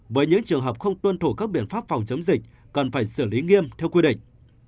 với những trường hợp không tuân thủ các biện pháp phòng chống dịch cần phải xử lý nghiêm theo quy định